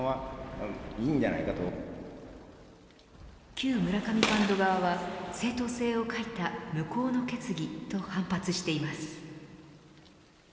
旧・村上ファンド側は正当性を欠いた無効の決議と反発しています。